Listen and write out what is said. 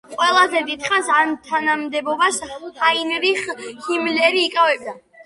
ყველაზე დიდხანს ამ თანამდებობას ჰაინრიხ ჰიმლერი იკავებდა.